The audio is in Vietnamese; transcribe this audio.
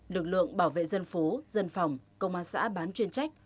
lực lượng bảo vệ dân phố dân phòng công an xã bán chuyên trách